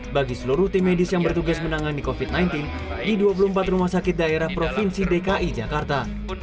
bagi seluruh tim medis yang bertugas menangani covid sembilan belas di dua puluh empat rumah sakit daerah provinsi dki jakarta